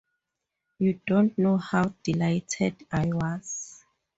You don’t know how delighted I was.